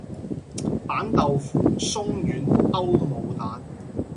板豆腐鬆軟歐姆蛋